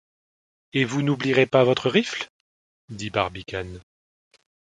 Et vous n’oublierez pas votre rifle ? dit Barbicane.